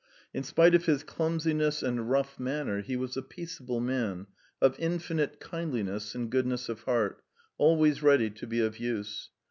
In spite of his clumsiness and rough manner, he was a peaceable man, of infinite kindliness and goodness of heart, always ready to be of use.